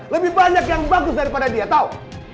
lebih banyak yang bagus daripada dia tahu